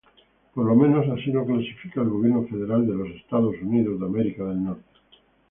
Por lo menos así lo clasifica el gobierno federal de los Estados Unidos.